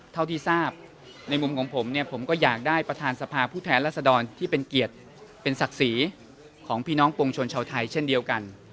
เท่าที่ทราบในมุมของผมเนี่ยผมก็อยากได้ประธานสภาผู้แทนรัศดรที่เป็นเกียรติเป็นศักดิ์ศรีของพี่น้องปวงชนชาวไทยเช่นเดียวกัน